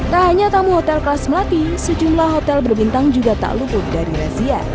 tak hanya tamu hotel kelas melati sejumlah hotel berbintang juga tak luput dari razia